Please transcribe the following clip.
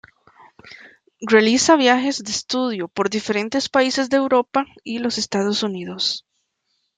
Realiza viajes de estudio por diferentes países de Europa y los Estados Unidos.